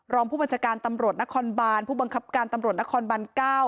รองผู้บัญชาการตำรวจนครบานผู้บังคับการตำรวจนครบัน๙